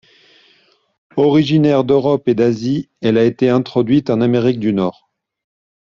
Originaire d'Europe et d'Asie, elle a été introduite en Amérique du Nord.